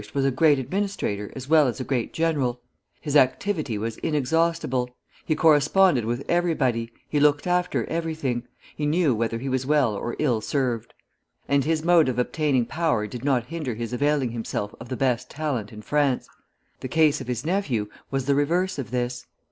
was a great administrator as well as a great general; his activity was inexhaustible, he corresponded with everybody, he looked after everything, he knew whether he was well or ill served; and his mode of obtaining power did not hinder his availing himself of the best talent in France. The case of his nephew was the reverse of this.